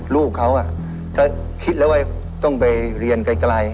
ลูกเขาถ้าคิดแล้วว่าต้องไปเรียนไกล